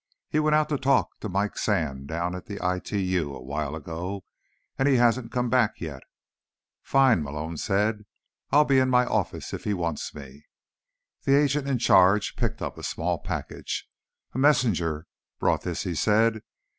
"He went out to talk to Mike Sand down at the ITU a while ago, and he hasn't come back yet." "Fine," Malone said. "I'll be in my office if he wants me." The agent in charge picked up a small package. "A messenger brought this," he said.